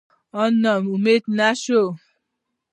او نا امیده شي